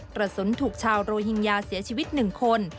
กระสุนถูกชาวโรฮิงญาเสียชีวิต๑คน